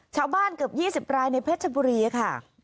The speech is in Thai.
ชาวบ้านเกือบ๒๐รายในเพชรบุรีค่ะ